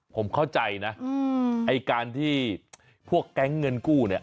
ผมเข้าใจนะไอ้การที่พวกแก๊งเงินกู้เนี่ย